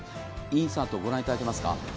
インサートを御覧いただけますか。